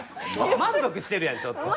満足してるやんちょっと。